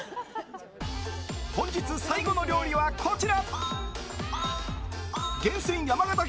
本日最後の料理はこちら。